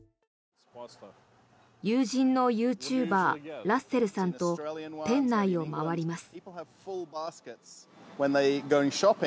友人のユーチューバーラッセルさんと店内を回ります。